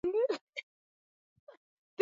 ni kitu ambacho kina kina ifanya ee dola